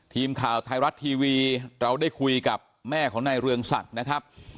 ทีมข่าวไทยรัฐทีวีเราได้คุยกับแม่ของนายเรืองศักดิ์นะครับ